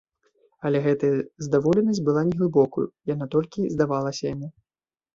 Але гэтая здаволенасць была неглыбокаю, яна толькі здавалася яму.